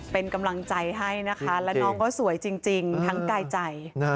เป็นกำลังใจให้นะคะแล้วน้องก็สวยจริงทั้งกายใจ